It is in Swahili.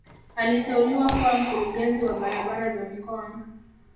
Aliteuliwa kuwa mkurugenzi wa barabara za mikoa